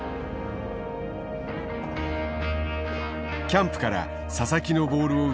キャンプから佐々木のボールを受け